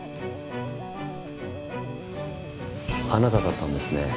あなただったんですね。